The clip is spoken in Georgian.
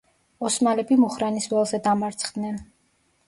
ოსმალები მუხრანის ველზე დამარცხდნენ.